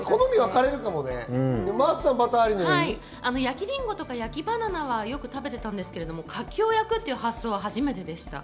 焼きりんごとか焼きバナナはよく食べてたんですけど、柿を焼く発想は初めてでした。